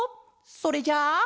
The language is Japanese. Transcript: それじゃあ。